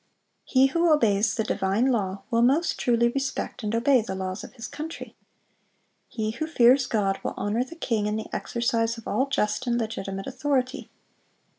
(413) He who obeys the divine law will most truly respect and obey the laws of his country. He who fears God will honor the king in the exercise of all just and legitimate authority.